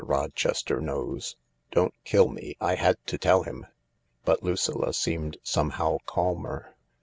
Rochester knows. Don't kill me— I had to tell him." But Lucilla seemed somehow calmer.